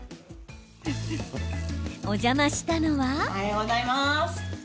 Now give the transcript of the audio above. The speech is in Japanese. お邪魔したのは。